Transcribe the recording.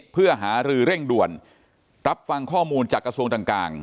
เพื่อหารือเร่งด่วนรับฟังข้อมูลจากกระทรวงต่าง